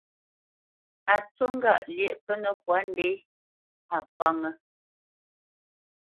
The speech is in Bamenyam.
Á ncú ŋgâʼ lyéʼ pə́nə́kwa ndě, a pánŋə́.